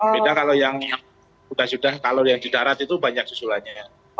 beda kalau yang udah sudah kalau yang di darat itu banyak susulannya